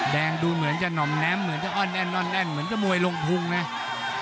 แดงดูเหมือนจะหน่อมแน้มเหมือนจะอ้อนแน่นอ้อนแน่นเหมือนกับมวยลงพุงนะ